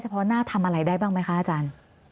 เพราะหน้าทำอะไรได้บ้างไหมคะอาจารย์